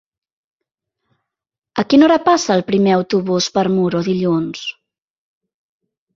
A quina hora passa el primer autobús per Muro dilluns?